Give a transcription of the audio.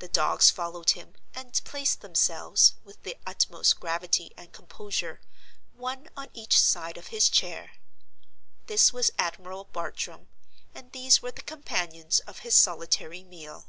The dogs followed him, and placed themselves, with the utmost gravity and composure, one on each side of his chair. This was Admiral Bartram, and these were the companions of his solitary meal.